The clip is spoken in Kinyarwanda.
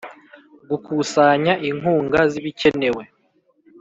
gukusanya inkunga zibikenewe